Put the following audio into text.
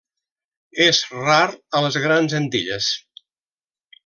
És rar a les Grans Antilles.